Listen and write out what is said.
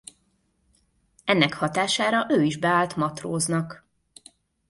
Ennek hatására ő is beállt matróznak.